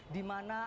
di mana ada istri